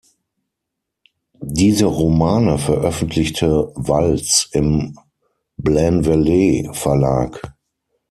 Diese Romane veröffentlichte Walz im Blanvalet Verlag.